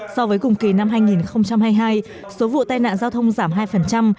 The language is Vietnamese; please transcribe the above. so với cùng kỳ năm hai nghìn hai mươi hai số vụ tai nạn giao thông giảm hai